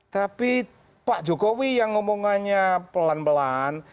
tapi pak jokowi yang ngomongannya pelan pelan